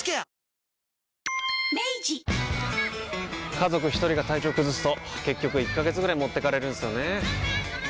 家族一人が体調崩すと結局１ヶ月ぐらい持ってかれるんすよねー。